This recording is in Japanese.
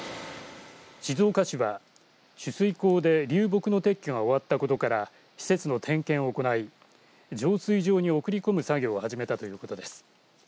静岡市は取水口で流木の撤去が終わったことから施設の点検を行い浄水場に送り込む作業を始めたということです。